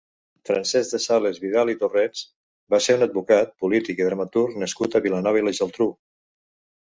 Francesc de Sales Vidal i Torrents va ser un advocat, polític i dramaturg nascut a Vilanova i la Geltrú.